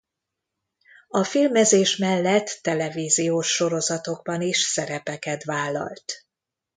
A filmezés mellett televíziós sorozatokban is szerepeket vállalt.